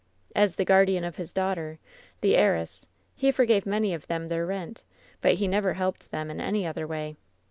As the guardian of his daughter, the heiress, he forgave many of them their rent, but he never helped them in any other way.